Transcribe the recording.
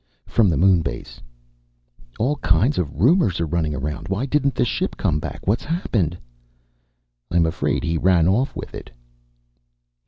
"From the moon base." "All kinds of rumors are running around. Why didn't the ship come back? What happened?" "I'm afraid he ran off with it."